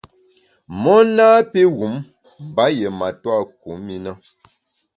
Mon napi wum mba yié matua kum i na.